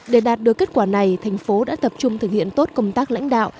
để đạt được kết quả này thành phố đã tập trung thực hiện tốt công tác lãnh đạo